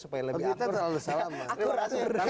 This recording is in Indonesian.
kita selalu salaman